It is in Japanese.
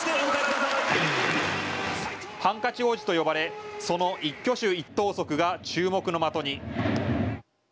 ハンカチ王子と呼ばれその一挙手一投足が注目の的に。